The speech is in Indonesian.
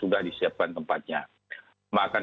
disiapkan tempatnya makan